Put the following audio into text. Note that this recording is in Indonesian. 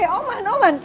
eh oman oman